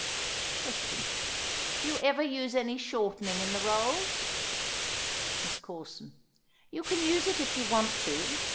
Question. Do you ever use any shortening in the rolls? MISS CORSON. You can use it if you want to.